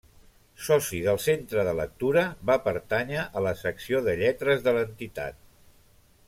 Soci del Centre de Lectura, va pertànyer a la Secció de Lletres de l'entitat.